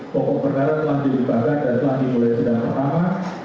pokok perkara telah dibibagat dan telah dimulai sedang pertama